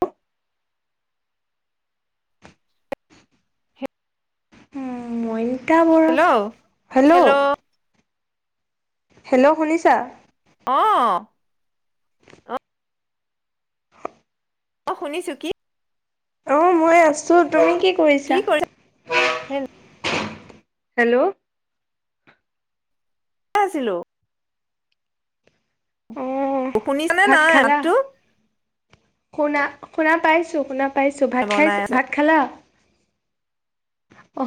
অ উম মই পিতা বৰক হেল্ল' হেল্ল' হেল্ল' শুনিছা অ অ শুনিছো কি অ মই আছো তুমি কি কৰিছা হেল্ল' আছিলো অ অ শুনিছানে ভাত নাই খালা মাতটো শুনা শুনা পাইছো শুনা পাইছোঁ ভাত খাইছ বনাই আছে ভাত খালা অ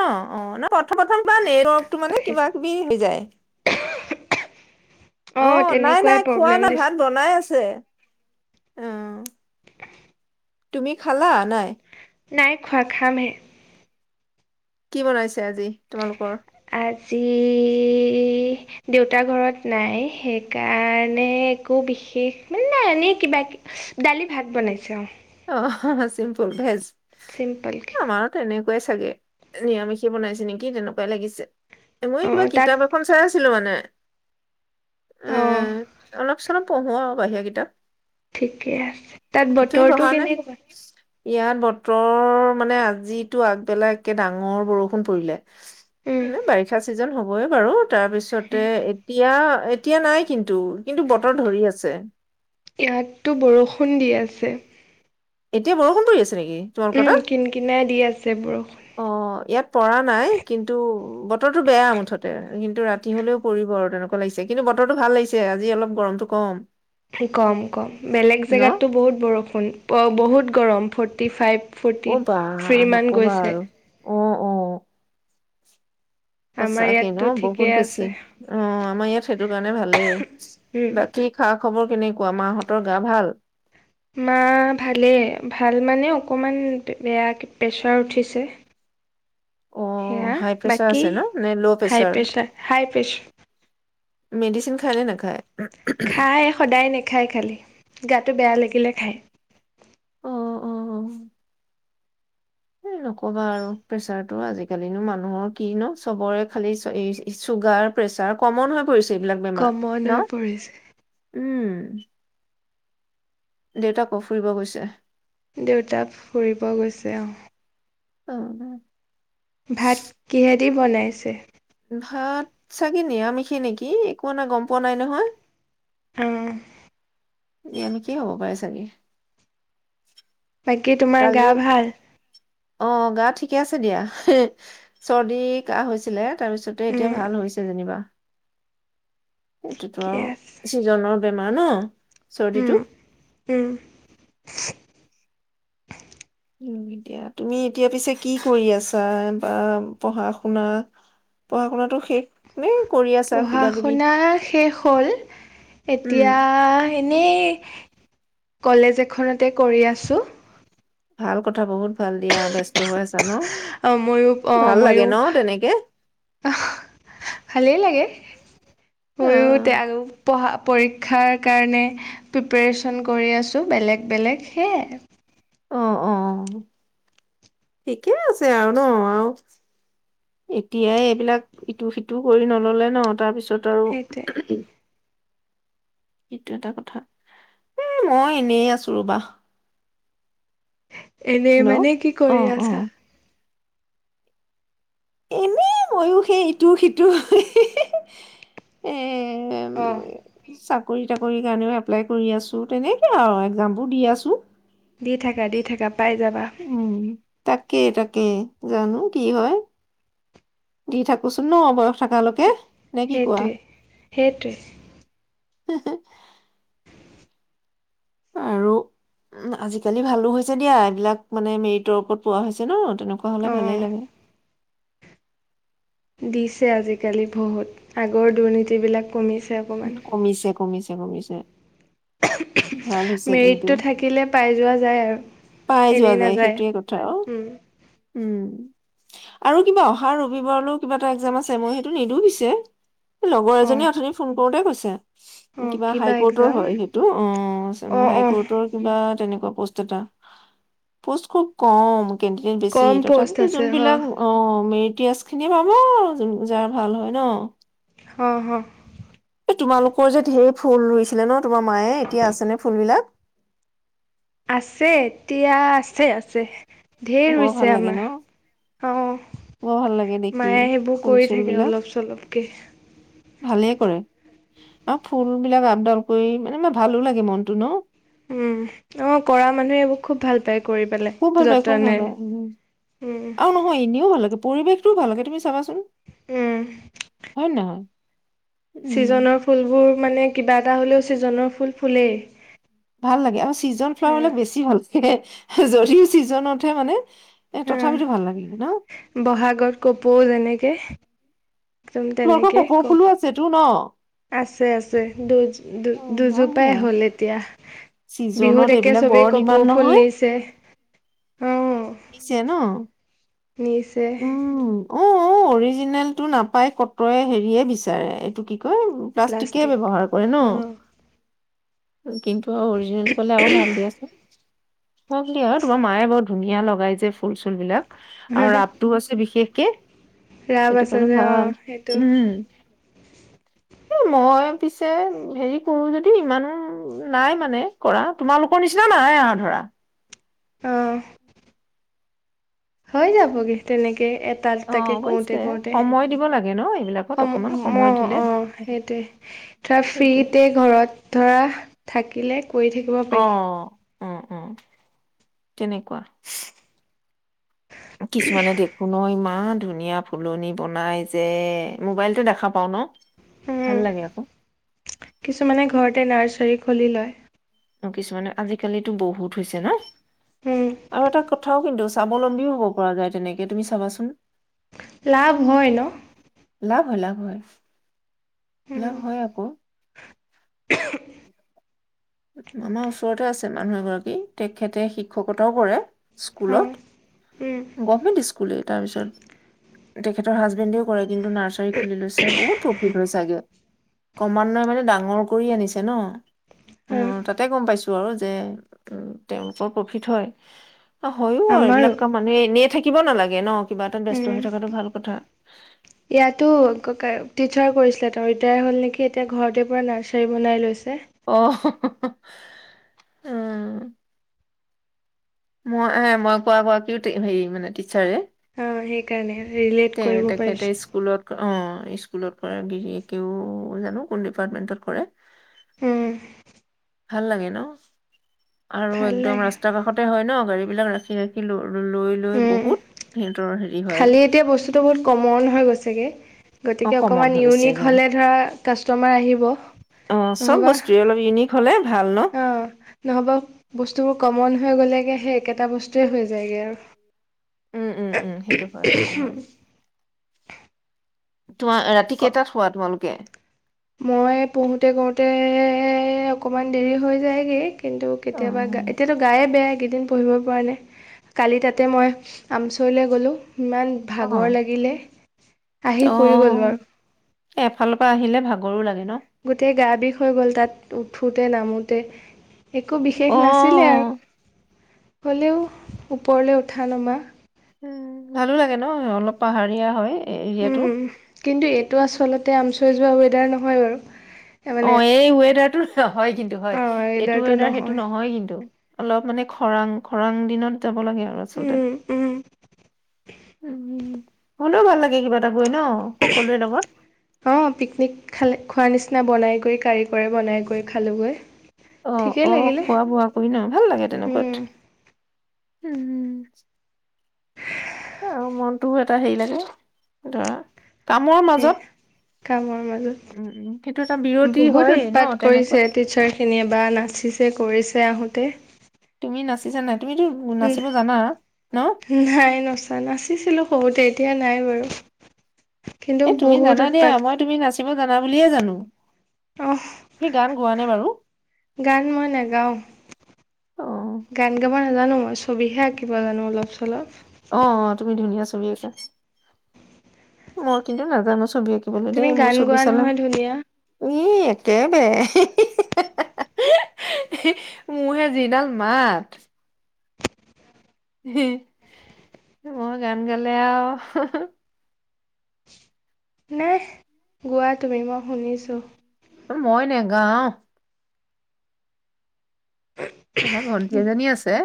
অ অ ন প্ৰথমত বা নেটৱৰ্ক টো মানে পাইছ কিবা কিবি হৈ যায় অ নাই তেনেকুৱাই নাই খোৱা প্ৰব্লেম নাই দিছে ভাত বনাই আছে চে উ তুমি খালা নাই নাই খোৱা, খামহে। কি বনাইছে আজি, তোমালোকৰ? জি দেউতা ঘৰত নাই, সেইকাৰণে একো বিশেষ, মানে নাই এনেই কিবা দালি ভাত বনাইছে অ'। অহ হা হা, চিম্পুল ভেজ। চিম্পলকে। কোৱাই চাগে। নিৰামিষে বনাইছে নেকি তেনেকুৱাই লাগিছে। এ মই অ কিবা তাত কিতাপ এখন চাই আছিলো মানে। নে। অ উম, অলপ কিছুমান পঢ়ো আৰু বাহিৰা কিতাপ। ঠিকে আছে। তাত বতৰ ভালনে? ইয়াত বতৰ, মানে আজিতো আগবেলা একে ডাঙৰ বৰষুণ পৰিলে। উম এ বাৰিষা চিজন, হ'ব -ব‌ এই বাৰু। তাৰপিছতে, এতিয়া এতিয়া নাই কিন্ত ইয়াত টো বৰষুণ দি আছে। এতিয়া বৰষুণ পৰি আছে ছে তোমালোকৰ উম তাত? কিন কিনাই দি আছে বৰষুণ অ ইয়াত পৰা নাই, কিন্তু বতৰটো বেয়া মুঠতে, কিন্তু ৰাতি হলেও পৰিব আৰু তেনেকুৱা লাগিছে। কিন্তু বতৰটো ভাল লাগিছে, আজি অলপ গৰমটো কম। কম কম, বেলেগ ন? জেগাততো বহুত বৰষুণ। বহুত গৰম ফৰ্ৰটি ফাইভ ফৰ্টি অ' বা থ্ৰী মান নক'বা গৈছে। আৰু অ অ। আমাৰ সঁচাকে ন, ইয়াততো বহুত ঠিকেই বেছি। আছে অ, আমাৰ ইয়াত সেইটো কাৰণে ভালেই। উম বাকী খা খ খবৰ কেনেকুৱা? মাহঁতৰ গা ভাল? মা ভালে, ভাল মানে অকণমান বেয়া, প্ৰেছাৰ উঠিছে। অ সেয়া। হাই প্ৰেচাৰ বাকি, আছে ন নে ল' high pressure pressure. High press medicine খায় নে নাখায়? খাই, সদায় নেখায় খালি। গাটো বেয়া লাগিলে খায়। অ অ এ নকবা আৰু, প্ৰেচাৰতো আজিকালিনো মানুহৰ কি ন! চবৰে খালি এই চুগাৰ, প্ৰেচাৰ, কমন হৈ পৰিছে এইবিলাক বেমাৰ কমন ন হৈ পৰিছে উম দেউতাকো ফুৰিব গৈছে দেউতা ফুৰিব গৈছে অ উ দি বনাইছে ভাত চাগে নি আমিষি নেকি একো নাই গম পোৱা নাই নহয় উম এ এনেকেই হ'ব পাৰে চাগে বাকী তোমাৰ গা কালি ভাল অ গা ঠিকে আছে দিয়া চৰ্দি কাহ হৈছিলে। তাৰপিছতে এতিয়া উম, ভাল হৈছে যেনিবা। এইটোতো ঠিকে আছে। আৰু চিজনৰ বেমাৰ নে? উম, চৰ্দিটো? উম, এতিয়া তুমি এতিয়া পিছে কি কৰি আছা বা পঢ়া শুনা পঢ়া শুনাাতটো শেষ নে কৰি আছা পঢ়া কিবা কিবি? শুনা শেষ হ'ল উম, এতিয়া এনেই কলেজ এখনতে কৰি আছোঁ। ভাল কথা বহুত ভাল দিয়া ব্যস্ত হৈ আছা ন'? অ ময়ো অ ভাল লাগে ময়ো ন তেনেকে? আহ ভালেই লাগে অ', মইয়ো তে আৰু পঢ়া পৰীক্ষাৰ কাৰণে প্ৰিপেৰে্ছন কৰি আছোঁ বেলেগ বেলেগ সেয়াই। অ অ ঠিকে আছে আৰু ন আৰু এতিয়াই এইবিলাক ইটো সিটো কৰি নললে ন' তাৰপিছত তত সেইটোৱে। আৰু এইটো এটা কথা উম মই এনেই আছো ৰবা। এনেই হেল্ল' মানে কি অ কৰি অ আছা? এনে ময়ো সেই ইটো সিটো এ এম অ, চা চাকৰি তাকৰি কাৰণেও এপ্লাই কৰি আছো তেনেকে আৰু এক্সামবোৰ দি আছো। দি থাকা দি থাকা। পাই যাবা। উম তাকে তাকে জানো কি হয় দি থাকোচোন ন' বয়স থকালৈকে নে কি কোৱা সেইটোৱে সেইটোৱে হু হু আৰু উম আজিকালি ভালো হৈছে দিয়া এইবিলাক মানে মেৰিটৰ ওপৰত পোৱা হৈছে ন' তেনেকুৱা হলে অঁ ভালেই লাগে। দিছে আজিকালি বহুত আগৰ দুৰ্নীতি বিলাক কমিছে। অকণমান কমিছে কমিছে। কমিছে। ভাল হৈছে কিন্তু মেৰিটটো থাকিলে পাই যোৱা যায় আৰু পাই যোৱা এনেই যায় নাযায় সেইটোয়ে কথা আৰু উম। উম আৰু কিবা অহা ৰবিবাৰলৈ কিবা এটা এক্সম আছে মই সেইটো নিদিয়ু পিছে। লগৰ অঁ এজনী অথনি কৰোতেই কৈছে। অঁ কিবা হাই কোৰ্টৰ এক্সাম হয় সেইটো অ অঁ হাই অঁ কোৰ্টৰ কিবা তেনে পোষ্ট এটা পোষ্ট খুব কম। কেনণ্ডিডেট বেছি কম প'ষ্ট তথাপিতো আছে হ জোনবিলাক অ মে তিয়াজ খিনিয়ে পাব জাৰ ভাল হয় ন হ হা এই তোমালোকৰ যে ধঢেৰ ফুল ৰুইছিলে ন তোমাৰ মায়ে এতিয়া আছে নে ফুলবিলাক আছে এতিয়া আছে আছে ধঢেৰ ৰু বৰ ভাল হৈছে লাগে আমাৰ ন অ বৰ ভাল লাগে দেখি মায়ে সেইবোৰ ফুল কৰি চুল থাকে বিলাক অলপ চলপকে ভালে কৰে আৰু ফুল বিলাক আপডাল কৰি মানে ম ভালো লাগে মনটো ন উম অ কৰা মানুহে এইবোৰ খুব ভাল পায় কৰি পেলাই খুব ভাল পায়াই খুব ভাল যতনে। পায় উম, অ নহয় এনেও ভাল লাগে পৰিৱেশটোও ভালকে তুমি চাবা চোন হয় ন হয় চিজনৰ ফুলবোৰ মানে কিবা দা হ'লেও ছিজনৰ ফুল ফুলেই ভাল লাগে আৰু চিজন অ', ফ্লাৱাৰলাক বেছি ভাল লাগে যদিও ছিজনতহে মানে এ হা তথাপিতো ভাল লাগে ন? বহাগত কপৌ যেনেকে একদম তোমালোকৰ তেনেকে কপৌ ফুলো আছেতো ন চ আছে দুইজ দু অ', হওক দুজোপাই দিয়া। হ'ল এতিয়া বিহুত ছিজনত একে এইবিলাক চবেই বৰ ডিমাণ্ড কপৌফুল নহয়, নিছে দিছে ন? নি্চ উম, অ', অ', অৰিজিনেলটো নাপাই কতে হেৰিয়ে বিচাৰে এইটো কি প্লাষ্টষ্টিকে প্লাষ্টিক। ব্যৱহাৰ কৰে ন অ' কিন্তু আৰু অৰিজিনেলটো কলে আৰু ভাল দিয়াচোন হ আৰু তোমাৰ মায়ে বৰ ধুনীয়া লগাই যে ফুল চুল বিলাক হম হ বিশেষ কে ৰাভ আছে যে অ সেইটো উম, এ মই পিছে হেৰি কৰো যদি ইমানো নাই মানে কৰা তোমালোকৰ নিচিনা নাই আৰু ধৰা অহ হৈ যাবগে তেনেকে তাত অ', তাকে অৱশ্যে কৰোতে কৰোতে সময় দিব লাগে ন এইবিলাকত সম অকমান অ সময় দিলে অ সেইটোৱে ধৰা সেইটোৱে। ফ্ৰীতে ঘৰত ধৰা থাকিলে কৰি থাকিব পাৰি উম উম তেনেকুৱা কিছুমানে দেখো নয় ই ইমান ধুনীয়া ফুলনি বনাই যে মোবাইলতটো দেখা পাও ন ভাল লাগে আকৌ উম কিছুমানে ঘৰতে নাৰ্চাৰী খুলি লয় অ কিছুমানে আজিকালিতো বহুত হৈছে ন উম, আৰু এটা ক কথাও কিন্তু স্বাৱলম্বীও হ'ব পৰা যায় তেনেকে তুমি চাবাচোন লাভ হয় ন লাভ হয়, লাভ হয় উম, লাভ হয় আকৌ আমাৰ ওচৰতে আছে মানুহ এগৰাকী তেখেতে শিক্ষকতাও কৰে। অ', উম, স্কুলত গভমেণ্ট স্কুলেই তাৰপিছত তেখেতৰ হাজবেণ্ডেও কৰে কিন্তু নাৰ্চাৰী খুলি লৈছে বহুত প্ৰফিট হয় চাগে ক্ৰমান্বয়ে মানে ডাঙৰ কৰি আনিছে ন উ অ', তাতে গম পাইছো আৰু যে তেওঁলোকৰ প্ৰফিট হয় অ হয়ো আৰু আমাৰো এইবিলাক কাম আমি এনেই থাকি কিয় নালাগে ন কিবা এটা ব্যস্ত উম, হৈ থকাটো ভাল কথা। ইয়াতো ককাই টিচাৰ কৰিছিলে তেওঁ ৰিটায়াৰ হল নেকি এতিয়া ঘৰতে পুৰা নাৰ্চাৰী বনাই লৈছিল অহ হ হ উম মই এ মই কোৱা গৰাকীও হেৰি মানে টিচাৰে অ সেইটো সেইকাণে ৰিলেট তে কৰিব তেখেতে পাৰিছোঁ। স্কুলত অ স্কুলত কৰা গিৰিকেও জানো কোন ডিপাৰ্টমেন্টত কৰে উম ভাল লাগে ন আৰু ভাল একদম লাগে ৰাস্তা কাষতে হয় ন গাড়ী বিলাক ৰাখি ৰাখি ৰৈ লৈ উম। বহুত হেৰি হয় খালি এতিয়া বস্তুটো বহুত কমন হৈ গৈছেগে। অ গতিকে কমন অকণমান হৈ গৈছে ইউনিক গা। হ'লে ধৰা কাষ্টমাৰ আহিব। অ চব নহ'বা বস্তুৱয়ে অলপ ইউনিক হলে ভাল ন অ নহ'বা বস্তুবোৰ কমন হৈ গ'লেগে সেই একেটা বস্তুৱয়ে হৈ যায়গে আৰু। উম উম উম সেইটো হয় সেইটো হয়। তোমাৰ ৰাতি ক কেইটাত শুৱা তোমালোকে? মই পঢ়োতে কৰোতে অকমান দেৰি হৈ যায়গৈ। কিন্তু অ কেতিয়াবা গা এতিয়াতো গায়ে বেয়া একেইদিন পঢ়িব পৰা নাই, কালি তাতে মই আমচৰিলৈ গ'লোঁ। ইমান অ ভাগৰ লাগিলে আহি অ শুই গলোঁ আৰু। গৰু লাগে ন? গোটেই গা বিষ হৈ গ'ল তাত উঠোতে নামোতে। একো বিশেষ নাছিলে অ আৰু হ'লেও ওপৰলৈ উঠা নমা। ভালো লাগে ন অলপ পাহাৰীয়া হয়। এৰিয়াটো উম কিন্তু এইটো আচলতে আমি চইজ বা ৱেডাৰ নহয় বাৰু [unintelligible] অ এই ৱেডাৰটো হয় কিন্তু হয়, অঁ এইটো ৱেডাৰটো ৱেডাৰ সেইটো নহয় কিন্তু। অলপ মানে খৰাং খৰাং দিনত যাব লাগে আৰু আচলতে। হলেওঁ ভাল লাগে কিবা এটা গৈ ন সকলোৰে লগত অ পিকনিক খালে খোৱাৰ নিচিনা নিচিনা বনাই কৰি কাৰিকৰে বনাই কৰি খালোঁগৈ। অঁ ঠিকেই অঁ লাগিলে খোৱা বোৱা কৰি ন ভাল লাগে উম, তেনেকুৱাত। উম আৰু মনটোও এটা হেৰি লাগে, ধৰা কামৰ সেই মাজত কামৰ উম, উম, সেইটো এটা মাজত বিৰতি বহুত হয়েই ন উৎপাত তেনেকুৱা কৰিছে, টিচাৰ খিনিয়ে বা নাচিছে কৰিছে আহোতে। তে তুমি নাচিছা নাই? তুমিতো নাচিব জানা ন উম নাই নচা নাচিছিলো সৰুতে। এতিয়া নাই বাৰু কিন্তু এ তুমি বহুত জানা দিয়া উৎপাত মই তুমি নাচিব জানা বুলিয়ে জানো অহ তুমি গান গোৱা নে বাৰু গান মই নাগাও অ', গান গাব নাজানো মই ছবিহে আঁকিব জানো অলপ চলপ অ অ তুমি ধুনীয়া ছবি আঁকা মই কিন্তু নাজানো ছবি আঁকি তুমি গান গোৱা নহয় ধুনীয়া ই একেবাৰে [unintelligible] মোৰহে যিডাল মাত মই গান গালে আৰু নে গোৱা তুমি মই শুনিছো মই নেগাও আমাৰ ভন্টি এজনী আছে,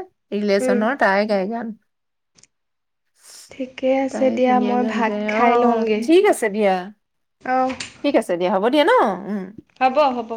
উম ৰিলেশ্যনৰ তাই গাই গান। ঠিকে আছে তাই দিয়া ধুনীয়া মই গান ভাত গায় খাই অ', লওঁগে ঠিক আছে দিয়া। অহ ঠিক আছে দিয়া হ'ব [unintelligible] ন উম। হ'ব হ'ব।